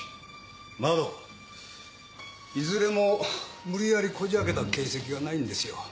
窓いずれも無理やりこじ開けた形跡がないんですよ。